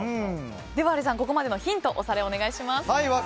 ハリーさん、ここまでのヒントおさらいをお願いします。